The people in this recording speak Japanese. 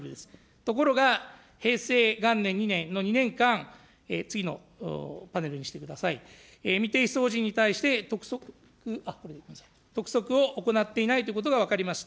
ところが、平成元年、２年の２年間、次のパネルにしてください、未提出法人に対して、督促を行っていないということが分かりました。